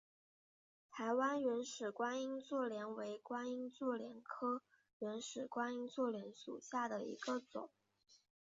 台湾原始观音座莲为观音座莲科原始观音座莲属下的一个种。